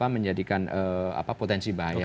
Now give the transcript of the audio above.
menjadikan potensi bahaya